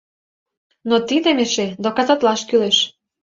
— Но тидым эше доказатлаш кӱлеш!